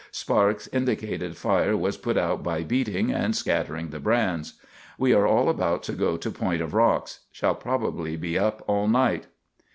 Sparks indicated fire was put out by beating and scattering the brands. We are all about to go to Point of Rocks shall probably be up all night."